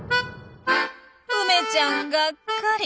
梅ちゃんがっかり。